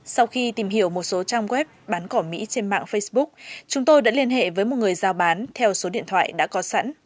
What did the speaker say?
sau khi tìm hiểu một số trang web bán cỏ mỹ trên mạng facebook chúng tôi đã liên hệ với một người giao bán theo số điện thoại đã có sẵn